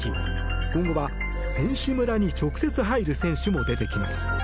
今後は選手村に直接入る選手も出てきます。